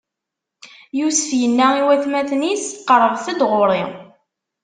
Yusef inna i watmaten-is: Qeṛṛbet-d ɣur-i!